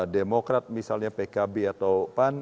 demokrat misalnya pkb atau pan